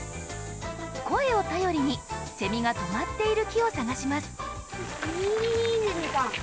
声を頼りにセミが止まっている木を探します。